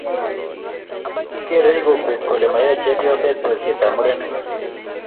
kereei kokwet kole mayae chepyoset boisietab murenik